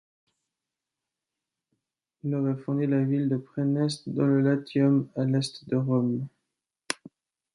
Il aurait fondé la ville de Préneste, dans le Latium, à l'est de Rome.